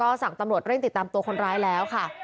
ก็สั่งตำรวจเร่งติดตามตัวคนร้ายแล้วค่ะ